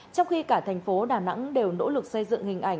trong khi cả thành phố đà nẵng đều nỗ lực xây dựng hình ảnh